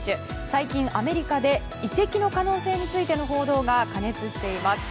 最近、アメリカで移籍の可能性についての報道が過熱しています。